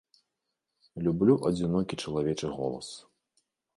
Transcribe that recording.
Люблю адзінокі чалавечы голас.